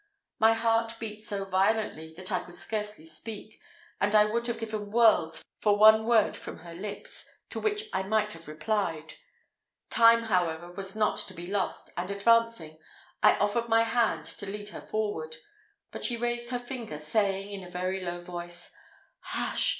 My heart beat so violently, that I could scarcely speak; and I would have given worlds for one word from her lips, to which I might have replied. Time, however, was not to be lost, and advancing, I offered my hand to lead her forward; but she raised her finger, saying, in a very low voice, "Hush!